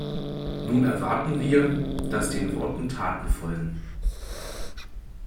Nun erwarten wir, dass den Worten Taten folgen.